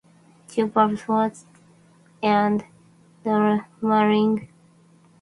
Joe Buzzfuzz and Laura Marling.